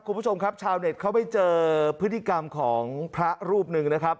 คุณผู้ชมครับชาวเน็ตเขาไปเจอพฤติกรรมของพระรูปหนึ่งนะครับ